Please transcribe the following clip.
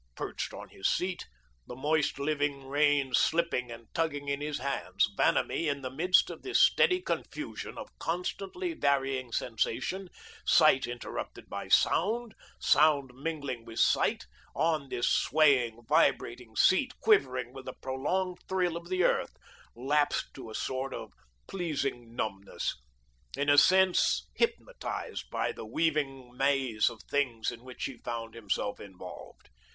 Perched on his seat, the moist living reins slipping and tugging in his hands, Vanamee, in the midst of this steady confusion of constantly varying sensation, sight interrupted by sound, sound mingling with sight, on this swaying, vibrating seat, quivering with the prolonged thrill of the earth, lapsed to a sort of pleasing numbness, in a sense, hypnotised by the weaving maze of things in which he found himself involved.